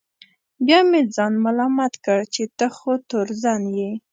بیا به مې ځان ملامت کړ چې ته خو تورزن یې.